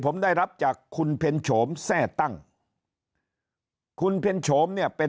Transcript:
ผมได้รับจากคุณเพ็ญโฉมแทร่ตั้งคุณเพ็ญโฉมเนี่ยเป็น